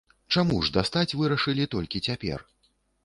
Чаму ж дастаць вырашылі толькі цяпер?